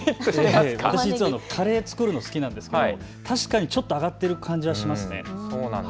私、実はカレーを作るのが好きなんですが、確かにちょっと上がっている感じがします。